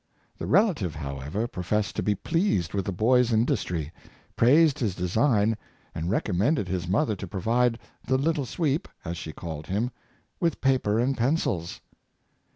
The relative, however, professed to be pleased with the boy's indus try, praised his design, and recommended his mother to provide *' the little sweep," as she called him, with paper and pencils.